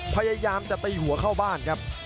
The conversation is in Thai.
พยายามจะตีหัวเข้าบ้านครับ